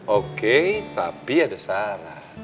oke tapi ada saran